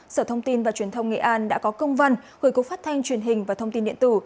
sở thông tin và truyền thông nghệ an đã có công văn gửi cục phát thanh truyền hình và thông tin điện tử